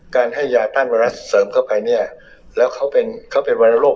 การให้ยาต้านไวรัสเสริมเข้าไปเนี่ยแล้วเขาเป็นเขาเป็นวรรณโรค